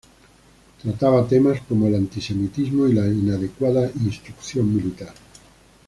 Trataba temas como el antisemitismo y la inadecuada instrucción militar.